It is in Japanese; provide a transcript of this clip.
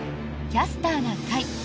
「キャスターな会」。